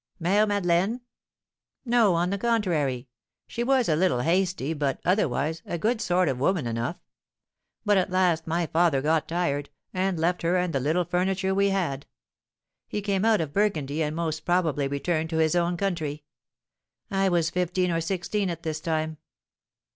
"Mère Madeleine? No; on the contrary. She was a little hasty, but, otherwise, a good sort of woman enough. But at last my father got tired, and left her and the little furniture we had. He came out of Burgundy, and most probably returned to his own country. I was fifteen or sixteen at this time."